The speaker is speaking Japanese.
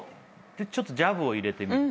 ちょっとジャブを入れてみる。